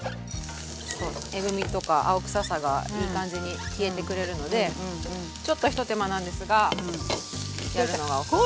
そうえぐみとか青臭さがいい感じに消えてくれるのでちょっと一手間なんですがやるのがおすすめ。